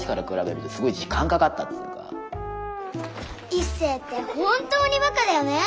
壱誠って本当にバカだよね！